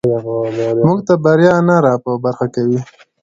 موږ ته بریا نه راپه برخه کوي.